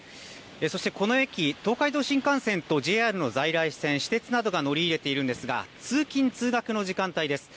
そしてこの駅、東海道新幹線とＪＲの在来線、私鉄などが乗り入れているんですが、通勤・通学の時間帯です。